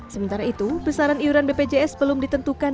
sementara itu besaran iuran bpjs belum ditentukan